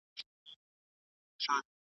ښه روزنه د ښې راتلونکې تضمین کوي.